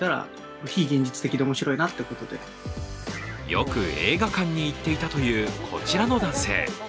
よく映画館に行っていたという、こちらの男性。